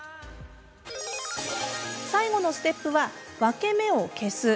最後のステップは分け目を消す。